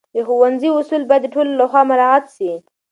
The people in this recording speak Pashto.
د ښوونځي اصول باید د ټولو لخوا مراعت سي.